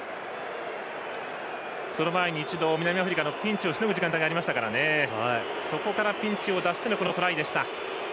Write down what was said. その前に一度南アフリカのピンチをしのぐ時間帯がありましたからそこからピンチを脱してのこのトライでした。